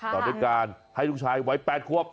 ต่อไปการให้ลูกชายไหว้แปดควบ